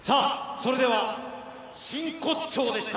それでは、真骨頂でした。